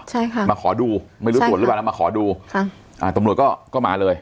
ใช่ค่ะมาขอดูไม่รู้ตรวจหรือเปล่ามาขอดูตำรวจก็มาเลย